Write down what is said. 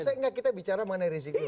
tentu saja kita bicara mengenai rizieq dulu